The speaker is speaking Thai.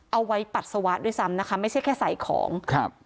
เอาไว้ปัสสาวะด้วยซ้ำนะคะไม่ใช่แค่ใส่ของครับ